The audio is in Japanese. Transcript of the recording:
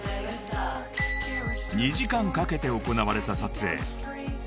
［２時間かけて行われた撮影］